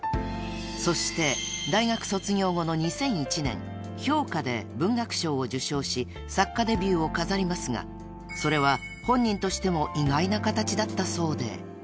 ［そして大学卒業後の２００１年『氷菓』で文学賞を受賞し作家デビューを飾りますがそれは本人としても意外な形だったそうで］